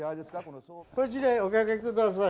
こちらへお掛け下さい。